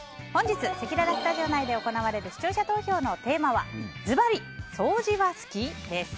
せきららスタジオ内で行われる視聴者投票のテーマはズバリ掃除は好き？です。